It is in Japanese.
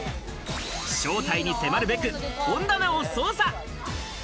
正体に迫るべく本棚を捜査！